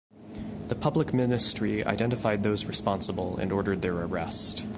The Public Ministry identified those responsible and ordered their arrest.